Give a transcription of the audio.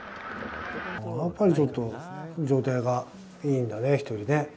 やっぱりちょっと、状態がいいんだね、人よりね。